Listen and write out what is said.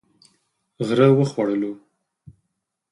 غره و خوړلو.